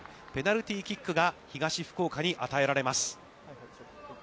ペナルティーキックが東福岡に与えられます。